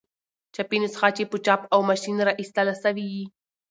چاپي نسخه چي په چاپ او ما شين را ایستله سوې يي.